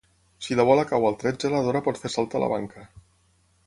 Si la bola cau al tretze la Dora pot fer saltar la banca.